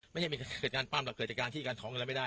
ไม่ใช่มีเกิดการปั้มแต่มีเกิดการที่การท้องกันไม่ได้